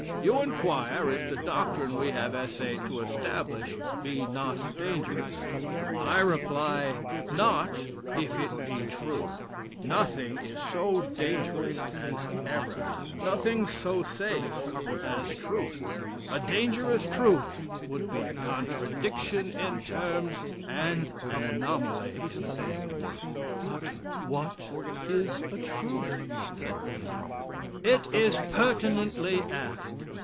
You inquire if the doctrine we have essayed to establish, be not dangerous. I reply not, if it be true. Nothing is so dangerous as error nothing so safe as truth. A dangerous truth would be a contradiction in terms, and an anomaly in things." "But what is a truth?" said Theon. "It is pertinently asked.